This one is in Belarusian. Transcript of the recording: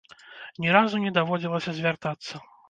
Ні разу не даводзілася звяртацца.